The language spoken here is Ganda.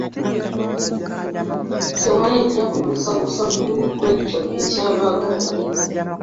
Tewali ajja kubuusabuusa munne ku ekyo ekyabagalanya.